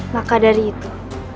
maka dari itu